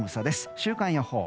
週間予報。